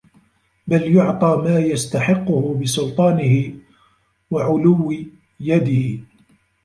بَلْ يُعْطَى مَا يَسْتَحِقُّهُ بِسُلْطَانِهِ وَعُلُوِّ يَدِهِ